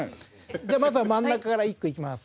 じゃあまずは真ん中から１句いきます。